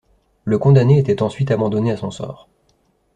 Le condamné était ensuite abandonné à son sort.